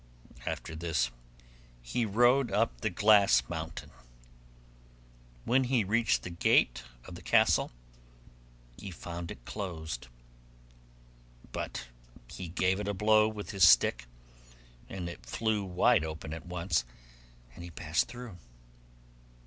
After this he rode up the glass mountain. When he reached the gate of the castle, he found it closed, but he gave it a blow with his stick, and it flew wide open at once and he passed through.